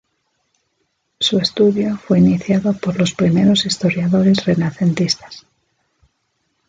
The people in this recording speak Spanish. Su estudio fue iniciado por los primeros historiadores renacentistas.